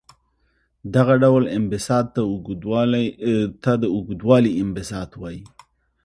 دغه ډول انبساط ته اوږدوالي انبساط وايي.